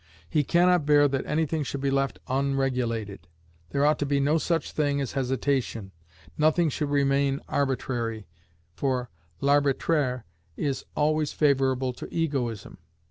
He cannot bear that anything should be left unregulated: there ought to be no such thing as hesitation; nothing should remain arbitrary, for l'arbitraire is always favourable to egoism.